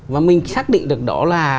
và mình xác định được đó là